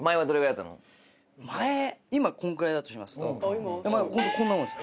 今こんぐらいだとしますとこんなもんです。